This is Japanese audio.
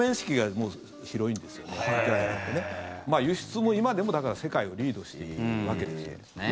輸出も今でも世界をリードしているわけです。